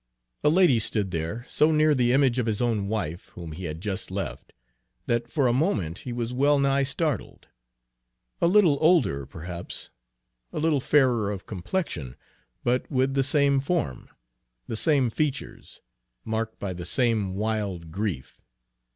A lady stood there, so near the image of his own wife, whom he had just left, that for a moment he was well nigh startled. A little older, perhaps, a little fairer of complexion, but with the same form, the same features, marked by the same wild grief.